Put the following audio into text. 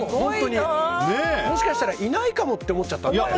もしかしたらいないかもって思っちゃった。